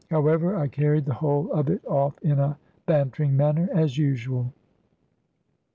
However, I carried the whole of it off in a bantering manner, as usual.